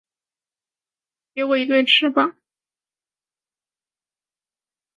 黄花镇是下辖的一个乡镇级行政单位。